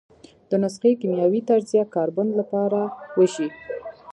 د نسخې کیمیاوي تجزیه کاربن له پاره وشي.